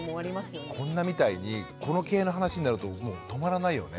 こんなみたいにこの系の話になるともう止まらないよね。